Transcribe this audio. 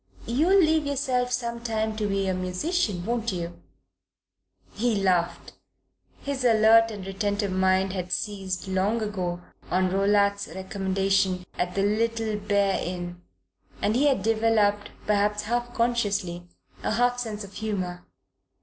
"You'll leave yourself some time to be a musician, won't you?" He laughed. His alert and retentive mind had seized, long ago, on Rowlatt's recommendation at the Little Bear Inn, and he had developed, perhaps half consciously, a half sense of humour.